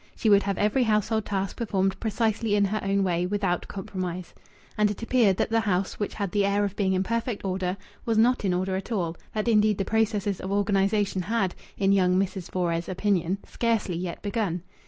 She would have every household task performed precisely in her own way, without compromise. And it appeared that the house, which had the air of being in perfect order, was not in order at all, that indeed the processes of organization had, in young Mrs. Fores' opinion, scarcely yet begun.